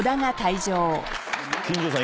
金城さん